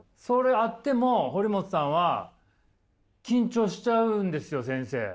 それあっても堀本さんは緊張しちゃうんですよ先生。